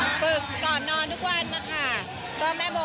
เขารู้แล้วแต่ก็ยังมีงองไงว่าไม่เอาจะเดินกับแม่โบ